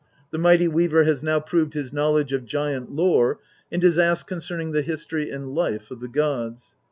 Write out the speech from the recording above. The Mighty Weaver has now proved his knowledge of giant lore, and is asked concerning the history and life of the gods.